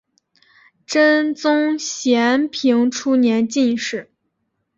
真宗咸平初年进士。